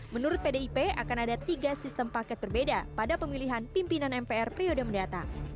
menurut pdip akan ada tiga sistem paket berbeda pada pemilihan pimpinan mpr periode mendatang